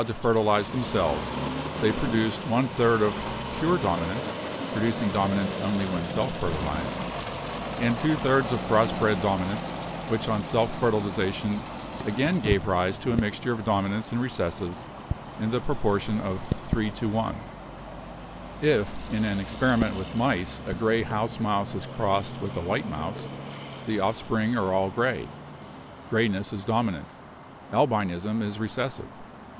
254 BIOLOGY to fertilize themselves, they produced one third of 'pure 7 dominants (producing dominants only when self fertil ized) and two thirds of cross bred dominants, which on self fertilization again gave rise to a mixture of dominants and recessives in the proportion of 3: 1. If in an experiment with mice a gray house mouse is crossed with a white mouse, the offspring are all gray. Grayness is dominant ; albinism is recessive.